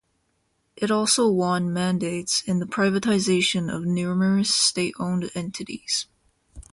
It also won mandates in the privatization of numerous state-owned entities.